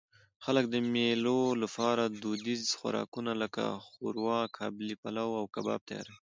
خلک د مېلو له پاره دودیز خوراکونه؛ لکه ښوروا، قابلي پلو، او کباب تیاروي.